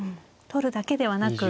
取るだけではなく。